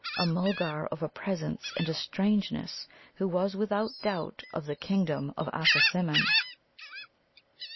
A MULGAR OF A PRESENCE AND A STRANGENESS, WHO WAS WITHOUT DOUBT OF THE KINGDOM OF ASSASIMMON.